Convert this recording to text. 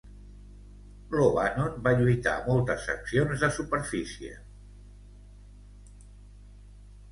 L'"O'Bannon" va lluitar a moltes accions de superfície.